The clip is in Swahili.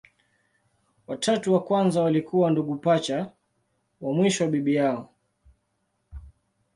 Watatu wa kwanza walikuwa ndugu pacha, wa mwisho bibi yao.